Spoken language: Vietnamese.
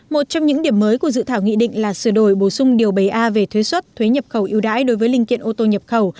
một trong những điểm mới của dự thảo nghị định là sửa đổi bổ sung điều bảy a về thuế xuất thuế nhập khẩu yêu đãi đối với linh kiện ô tô nhập khẩu